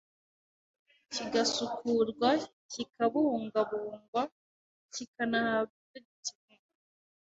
kigasukurwa kikabungabungwa, kinahabwa ibyo gikeneye